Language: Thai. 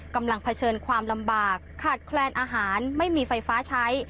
เผชิญความลำบากขาดแคลนอาหารไม่มีไฟฟ้าใช้